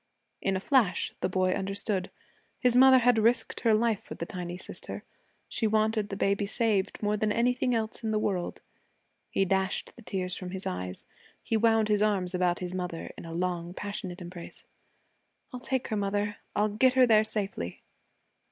In a flash, the boy understood. His mother had risked her life for the tiny sister. She wanted the baby saved more than anything in the world. He dashed the tears from his eyes. He wound his arms about his mother in a long passionate embrace. 'I'll take her, mother; I'll get her there safely.'